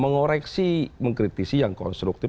mengoreksi mengkritisi yang konstruktif